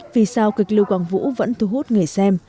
vì sao kịch lưu quang vũ vẫn thu hút người xem